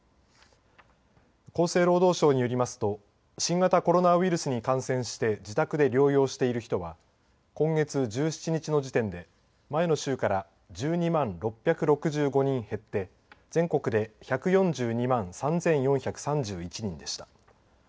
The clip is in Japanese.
厚生労働省によりますと新型コロナウイルスに感染して自宅で療養している人は今月１７日の時点で前の週から１２万６６５人減って全国で１４２万３４３１人でした。